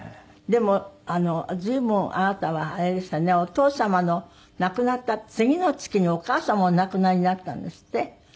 でも随分あなたはあれでしたねお父様の亡くなった次の月にお母様もお亡くなりになったんですって？